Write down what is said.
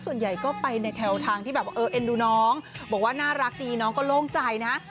ส่วนใหญ่ก็ไปในแถวทางที่แบบว่าเออเอ็นดูน้องบอกว่าน่ารักดีน้องก็โล่งใจนะ